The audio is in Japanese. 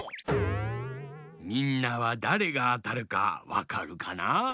みんなはだれがあたるかわかるかな？